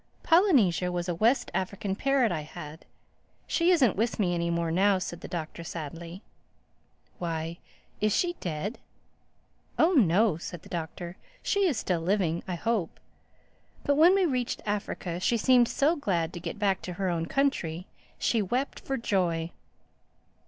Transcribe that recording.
"Polynesia was a West African parrot I had. She isn't with me any more now," said the Doctor sadly. "Why—is she dead?" "Oh no," said the Doctor. "She is still living, I hope. But when we reached Africa she seemed so glad to get back to her own country. She wept for joy.